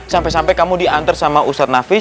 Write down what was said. sampai sampai kamu diantar sama ustadz nafis